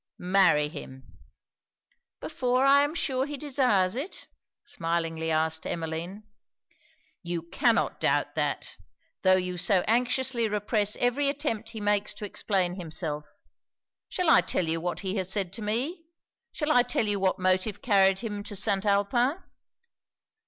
'Marry him.' 'Before I am sure he desires it?' smilingly asked Emmeline. 'You cannot doubt that, tho' you so anxiously repress every attempt he makes to explain himself. Shall I tell you what he has said to me? Shall I tell you what motive carried him to St. Alpin?'